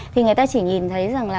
thì người ta chỉ nhìn thấy rằng là